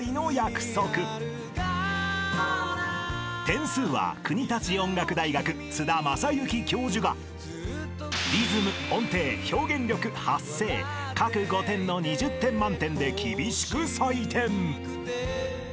［点数は国立音楽大学津田正之教授が「リズム」「音程」「表現力」「発声」各５点の２０点満点で厳しく採点］